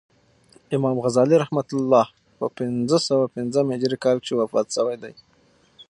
امام غزالی رحمة الله په پنځه سوه پنځم هجري کال کښي وفات سوی دئ.